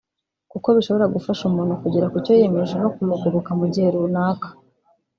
kuko bishobora gufasha umuntu kugera ku cyo yiyemeje no kumugoboka mu gihe runaka